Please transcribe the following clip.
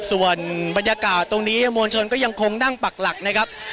ส่วนบรรยากาศตรงนี้มวลชนก็ยังคงนั่งปักหลักนะครับ